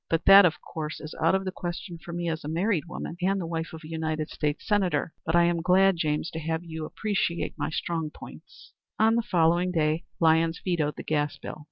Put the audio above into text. "But that, of course, is out of the question for me as a married woman and the wife of a United States Senator. But I am glad, James, to have you appreciate my strong points." On the following day Lyons vetoed the gas bill.